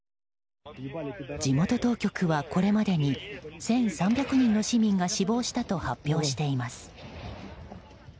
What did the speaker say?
地元当局はこれまでに１３００人の市民が死亡したと発表しています。